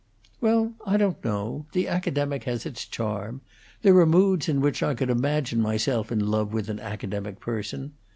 "Well, I don't know. The academic has its charm. There are moods in which I could imagine myself in love with an academic person.